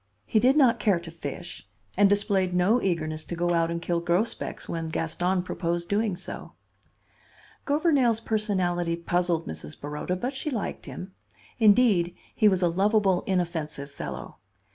He did not care to fish, and displayed no eagerness to go out and kill grosbecs when Gaston proposed doing so. Gouvernail's personality puzzled Mrs. Baroda, but she liked him. Indeed, he was a lovable, inoffensive fellow.